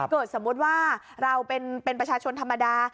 สมมุติว่าเราเป็นประชาชนธรรมดา